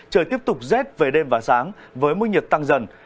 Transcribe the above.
trời tiếp tục rét về đêm và sáng với mức nhiệt tăng dần